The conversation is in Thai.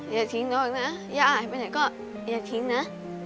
อย่าทิ้งน้องนะย่าหายไปไหนก็อย่าทิ้งนะ